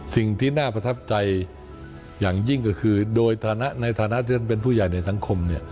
สิ่งที่น่าประทับใจอย่างยิ่งก็คือโดยฐานะในฐานะที่ท่านเป็นผู้ใหญ่ในสังคม